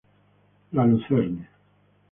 La Luzerne